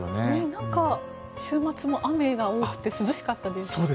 なんか週末も雨が多くて涼しかったです。